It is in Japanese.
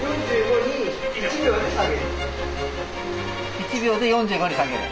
１秒で４５に下げる。